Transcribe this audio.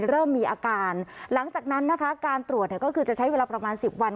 เริ่มมีอาการหลังจากนั้นนะคะการตรวจก็คือจะใช้เวลาประมาณ๑๐วัน